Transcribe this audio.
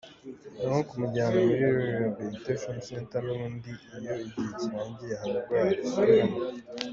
Naho kumujyana muri rehabilitation center n’ubundi iyo igihe kirangiye hari ubwo abisubiramo.